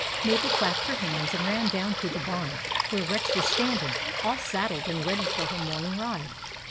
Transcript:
Mabel clapped her hands, and ran down to the barn where Rex was standing, all saddled and ready for her morning ride.